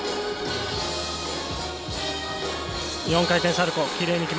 ４回転サルコー。